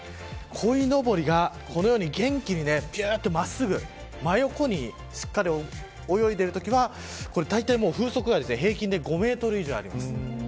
こいのぼりが元気にまっすぐ真横にしっかり泳いでいるときは風速が平均で５メートル以上あります。